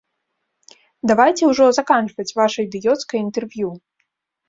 Давайце ўжо заканчваць ваша ідыёцкае інтэрв'ю.